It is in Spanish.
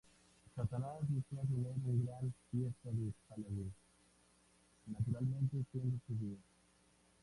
Satanás desea tener una gran fiesta de Halloween, naturalmente siendo su día.